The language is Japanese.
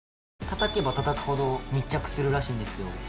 たたけばたたくほど密着するらしいんですよ。